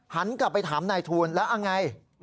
หันกลับไปถามนายทูลแล้วยังไง